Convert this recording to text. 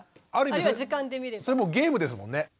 ある意味それもゲームですもんね。